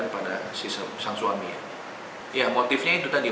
kepada sistem sang suaminya ya motifnya itu tadi